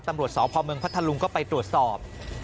ตำรวจสพเมืองพัทธลุงก็ไปตรวจสอบ